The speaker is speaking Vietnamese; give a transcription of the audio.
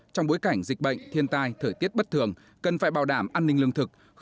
trong bối cảnh dịch bệnh thiên tai thời tiết bất thường cần phải bảo đảm an ninh lương thực